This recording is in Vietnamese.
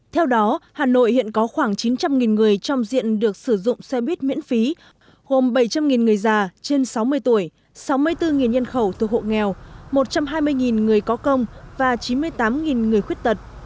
theo đó hà nội hiện có khoảng chín trăm linh người trong diện được sử dụng xe buýt miễn phí hồn bảy trăm linh người già trên sáu mươi tuổi sáu mươi bốn nhân khẩu thuộc hộ nghèo một trăm hai mươi người có công và chín mươi tám người khuyết tật